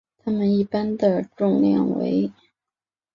它们一般的重量为。